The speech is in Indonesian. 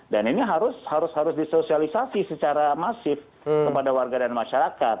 dan ini harus disosialisasi secara masif kepada warga dan masyarakat